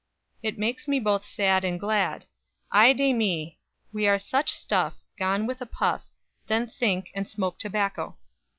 It makes me both sad and glad. Ay de mi _'We are such stuff, Gone with a puff Then think, and smoke Tobacco!'"